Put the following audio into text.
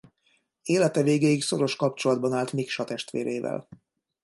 Élete végéig szoros kapcsolatban állt Miksa testvérével.